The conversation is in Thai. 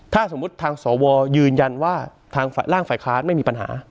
ถ้าสมมุติทางสวยืนยันว่าทางร่างฝ่ายค้านไม่มีปัญหา